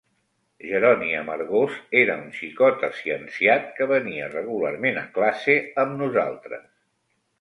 "Jeroni Amargós era un xicot aciençat que venia regularment a classe amb nosaltres.